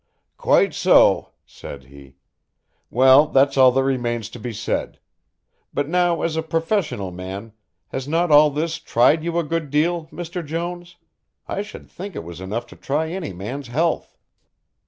"Quite so," said he. "Well, that's all that remains to be said but, now as a professional man, has not all this tried you a good deal, Mr. Jones? I should think it was enough to try any man's health."